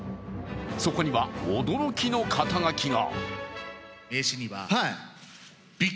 そこには、驚きの肩書が。